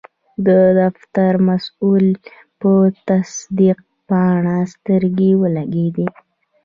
د فتر مسول په تصدیق پاڼه سترګې ولګیدې.